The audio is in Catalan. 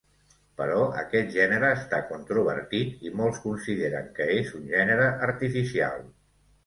Però aquest gènere està controvertit i molts consideren que és un gènere artificial.